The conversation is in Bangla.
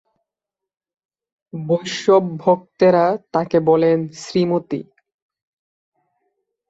বৈষ্ণব ভক্তেরা তাঁকে বলেন শ্রীমতী।